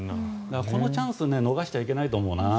このチャンスを逃しちゃいけないと思うな。